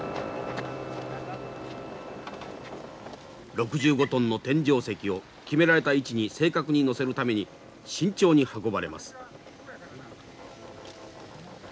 ６５トンの天井石を決められた位置に正確に載せるために慎重に運ばれます。